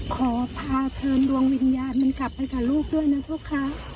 ขอพาเครื่องดวงวิญญาณมันกลับไปกับลูกด้วยนะทุกครับ